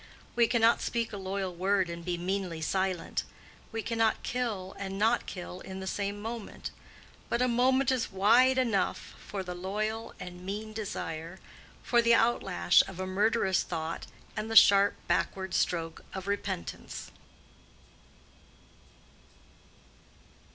We cannot speak a loyal word and be meanly silent; we cannot kill and not kill in the same moment; but a moment is wide enough for the loyal and mean desire, for the outlash of a murderous thought and the sharp backward stroke of repentance.